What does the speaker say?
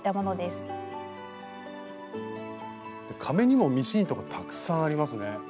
壁にもミシン糸がたくさんありますね。